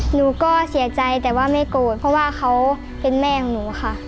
หนูก็เสียใจแต่ว่าไม่โกรธเพราะว่าเขาเป็นแม่ของหนูค่ะ